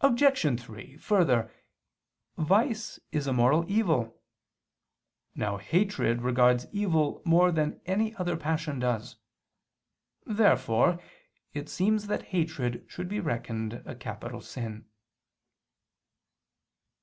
Obj. 3: Further, vice is a moral evil. Now hatred regards evil more than any other passion does. Therefore it seems that hatred should be reckoned a capital sin.